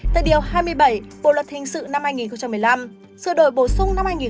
tại điều hai mươi bảy bộ luật hình sự năm hai nghìn một mươi năm sự đổi bổ sung năm hai nghìn một mươi bảy